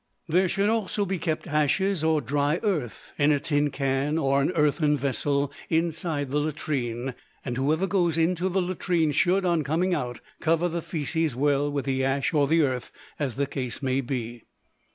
There should be kept ashes or dry earth in a tin can or an earthen vessel inside the latrine, and whoever goes into the latrine should, on coming out, cover the fæces well with the ash or the earth, as the case may be.